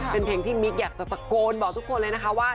เป็นเพลงที่มิ๊กอยากจะตะโกนบอกทุกคนเลยนะคะว่า